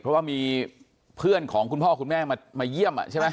เพราะว่ามีเพื่อนของคุณพ่อคุณแม่มาเยี่ยมใช่ไหม